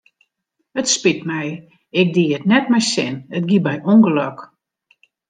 It spyt my, ik die it net mei sin, it gie by ûngelok.